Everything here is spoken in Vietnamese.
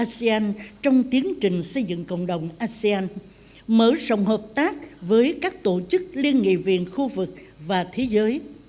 vì sự phát triển của cộng đồng asean trong tiến trình xây dựng cộng đồng asean mở rộng hợp tác với các tổ chức liên nghị viện khu vực và thế giới